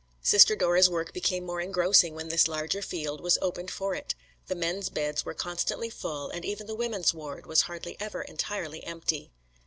Sister Dora's work became more engrossing when this larger field was opened for it; the men's beds were constantly full, and even the women's ward was hardly ever entirely empty.